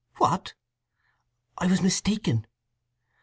"What!" "I was mistaken."